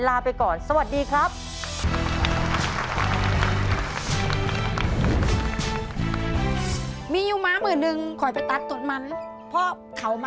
มาลุ้นกันครับ